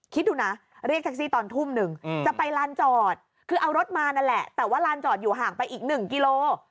คิดดูนะเรียกแท็กซี่ตอนทุ่มหนึ่งจะไปลานจอดคือเอารถมานั่นแหละแต่ว่าลานจอดอยู่ห่างไปอีก๑กิโล